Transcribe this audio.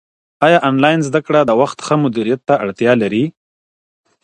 ايا انلاين زده کړه د وخت ښه مدیریت ته اړتیا لري؟